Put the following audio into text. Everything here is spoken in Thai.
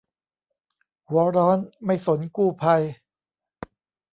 หัวร้อนไม่สนกู้ภัย